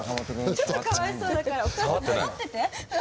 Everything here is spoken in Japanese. ちょっとかわいそうだからお母さん戻ってて。